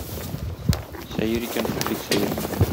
Сәер икән шул, бик сәер.